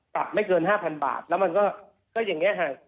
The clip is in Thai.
ไม่เกิน๕๐๐๐บาทแล้วมันก็อย่างนี้ค่ะ